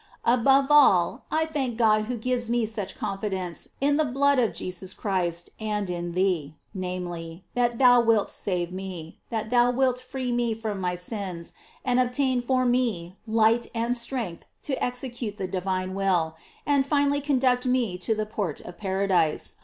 Above all, I thank God who gives me such confidence in the blood of Jesus Christ and in thee ; namely, that thou wilt save me, that thou wilt free me from my sins, and obtain for me light and strenght to execute the divine will, and finally conduct me to the port of paradise.